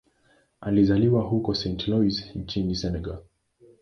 Alizaliwa huko Saint-Louis nchini Senegal.